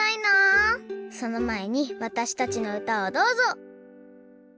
そのまえにわたしたちのうたをどうぞ！